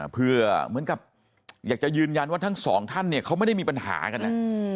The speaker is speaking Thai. เพื่อเหมือนกับอยากจะยืนยันว่าทั้งสองท่านเนี่ยเขาไม่ได้มีปัญหากันนะ